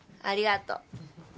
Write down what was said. ありがとう。